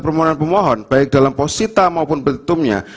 permohonan pemohon baik dalam posita maupun petitumnya